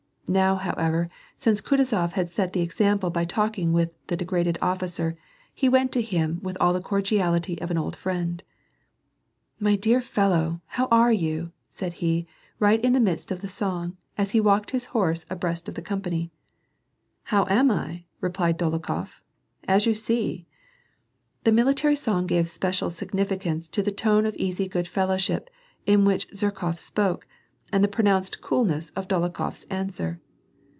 Now, how ever, since Kutuzof had set the example by talking with the degraded officer, he went to him with all the cordiality of an old friend. "My dear fellow, how are you ?" said he, right in the midst of the song, as he walked his horse abreast of the company. " How am I ?" repeated Dolokhof, " As you see." The military song gave a special significance to the tone of easy good fellowship in which Zherkof spoke, and the pro nounced coolness of Dolokhof's answer.